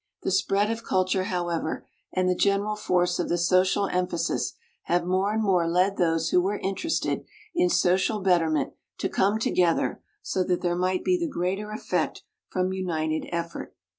The spread of culture, however, and the general force of the social emphasis have more and more led those who were inter ested in social betterment to come together so that there might be the greater effect from united effort.